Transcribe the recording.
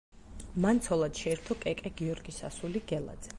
მან ცოლად შეირთო კეკე გიორგის ასული გელაძე.